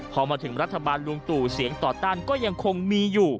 พอมาถึงรัฐบาลลุงตู่เสียงต่อต้านก็ยังคงมีอยู่